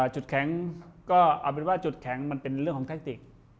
จุดแข็งก็เอาเป็นว่าจุดแข็งมันเป็นเรื่องของแทคติก